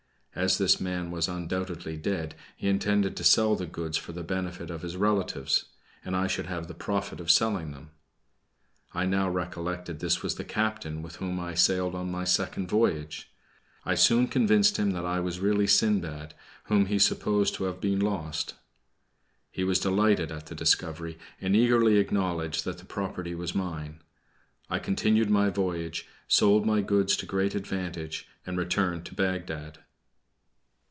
As this man was undoubtedly dead, he intended to sell the goods for the benefit of his relatives, and I should have the profit of selling them. I now recollected this was the captain with whom I sailed on my second voyage. I soon convinced him that I was really Sindbad, whom he supposed to have been lost. He was delighted at the discovery, and eagerly acknowledged that the property was mine. I continued my voyage, sold my goods to great advantage, and returned to Bagdad.